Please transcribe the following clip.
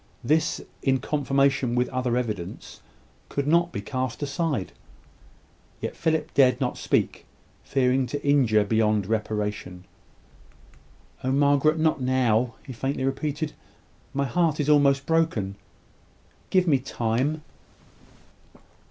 this, in confirmation with other evidence, could not be cast aside. Yet Philip dared not speak, fearing to injure beyond reparation. "Oh, Margaret, not now!" he faintly repeated. "My heart is almost broken! Give me time."